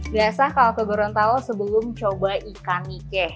biasa kalau ke gorontalo sebelum coba ikan nike